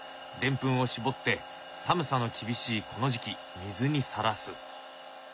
デンプンを絞って寒さの厳しいこの時期水にさらす。